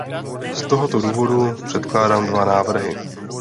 Z tohoto důvodu předkládám dva návrhy.